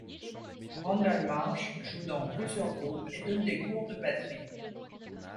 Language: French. Randall Marsh joue dans plusieurs groupes et donne des cours de batterie.